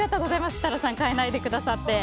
設楽さん、変えないでくださって。